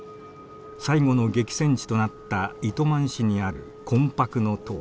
最後の激戦地となった糸満市にある「魂魄の塔」。